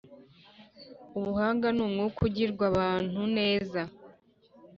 Ubuhanga ni umwuka ugwira abantu neza,